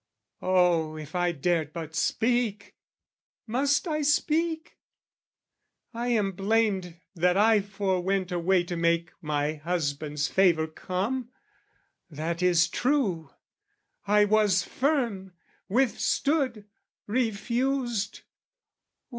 Oh, if I dared but speak! Must I speak? I am blamed that I forwent A way to make my husband's favour come. That is true: I was firm, withstood, refused...